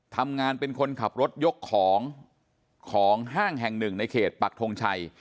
ทำงานเป็นคนขับรถยกของของห้างแห่งหนึ่งในเขตปักทงชัย